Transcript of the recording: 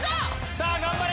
さぁ頑張れ！